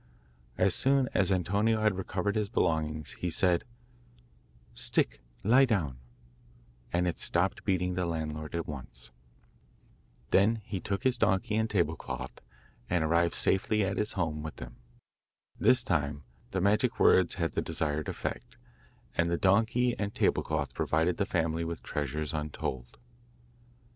As soon as Antonio had recovered his belongings he said 'Stick, lie down,' and it stopped beating the landlord at once. Then he took his donkey and table cloth and arrived safely at his home with them. This time the magic words had the desired effect, and the donkey and table cloth provided the family with treasures untold.